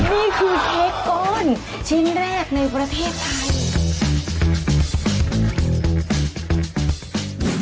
นี่คือเค้กก้อนชิ้นแรกในประเทศไทย